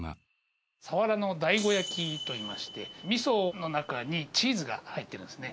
サワラの醍醐焼といいまして味噌の中にチーズが入ってますね。